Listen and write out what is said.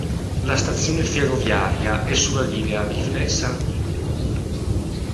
La stazione ferroviaria è sulla linea Rivne-Sarny.